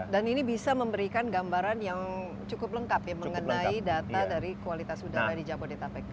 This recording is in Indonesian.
dan ini bisa memberikan gambaran yang cukup lengkap ya mengenai data dari kualitas udara di jabodetabek